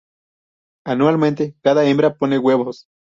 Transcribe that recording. Anualmente, cada hembra pone huevos.